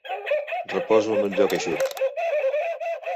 Reposo en un lloc eixut.